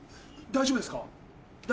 大丈夫ですか？